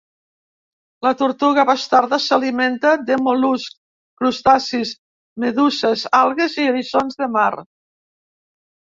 La tortuga bastarda s'alimenta de mol·luscs, crustacis, meduses, algues i eriçons de mar.